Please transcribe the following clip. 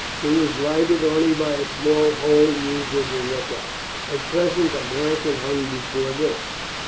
It was lighted only by a small hole used as a look out; at present a blanket hung before this.